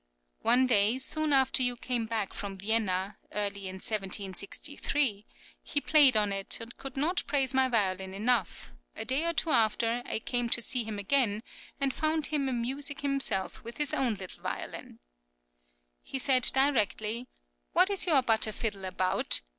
One day, soon after you came back from Vienna (early in 1763), he played on it, and could not praise my violin enough; a day or two after, I came to see him again, and found him amusing himself with his own little violin. He said directly: "What is your butter fiddle about?"